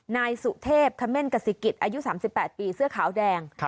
นายสุเทพคำเม่นกษิกิจอายุ๓๘ปีเสื้อขาวแดง